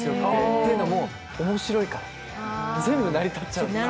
というのも面白いから全部成り立っちゃうんですよ。